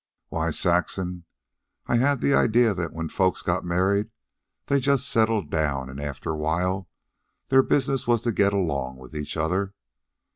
"Why, Saxon, I had the idea that when folks got married they just settled down, and after a while their business was to get along with each other.